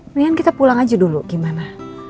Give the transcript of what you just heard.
mendingan kita pulang aja dulu gimana